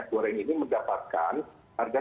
goreng ini mendapatkan harga